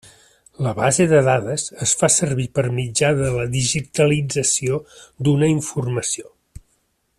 La base de dades es fa servir per mitjà de la digitalització d'una informació.